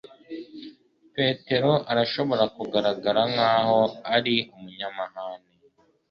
Petero arashobora kugaragara nkaho ari umunyamahane,